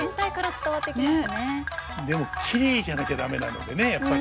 でもきれいじゃなきゃ駄目なのでねやっぱり。